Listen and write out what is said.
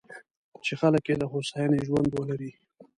چې خلک یې د هوساینې ژوند ولري.